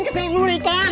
ketil burung ikan